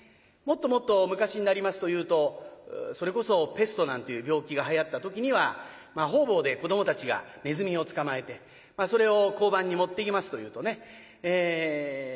もっともっと昔になりますというとそれこそペストなんていう病気がはやった時には方々で子どもたちがネズミを捕まえてそれを交番に持っていきますというとね